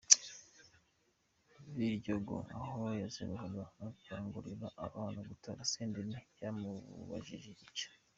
Biryogo aho yazengurukaga akangurira abantu gutora Senderi, twamubajije icyo.